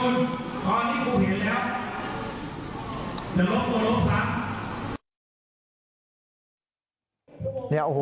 เนี่ยโอ้โห